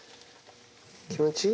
気持ちいい？